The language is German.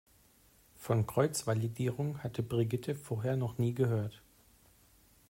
Von Kreuzvalidierung hatte Brigitte vorher noch nie gehört.